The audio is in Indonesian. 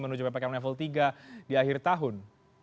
menuju ppkm level tiga di akhir tahun